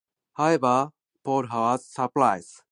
However, pole was a surprise.